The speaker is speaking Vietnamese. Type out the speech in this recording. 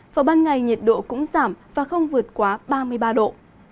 vào ban ngày nhiệt độ cũng giảm và không vượt quá ba mươi ba độ